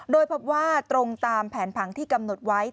โดยพบว่าตรงตามแผนผังที่กำหนดไว้